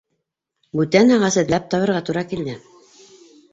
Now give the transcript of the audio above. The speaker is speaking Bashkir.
Бүтән ағас эҙләп табырға тура килде.